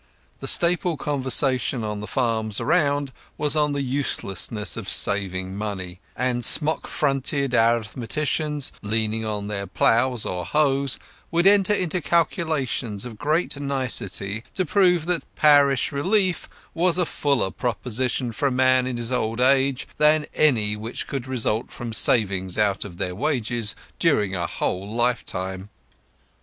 The staple conversation on the farms around was on the uselessness of saving money; and smock frocked arithmeticians, leaning on their ploughs or hoes, would enter into calculations of great nicety to prove that parish relief was a fuller provision for a man in his old age than any which could result from savings out of their wages during a whole lifetime.